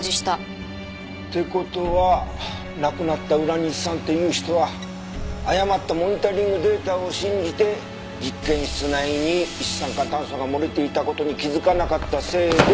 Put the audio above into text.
って事は亡くなった浦西さんという人は誤ったモニタリングデータを信じて実験室内に一酸化炭素が漏れていた事に気づかなかったせいで。